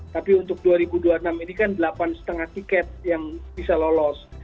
tapi untuk dua ribu dua puluh enam ini kan delapan lima tiket yang bisa lolos